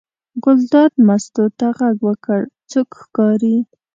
ګلداد مستو ته غږ وکړ: څوک ښکاري.